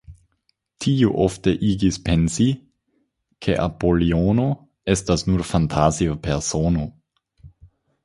Tio ofte igis pensi, ke Apolonio estas nur fantazia persono.